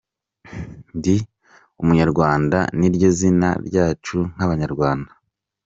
Ndi Umunyarwanda ni ryo zina ryacu nk’Abanyarwanda.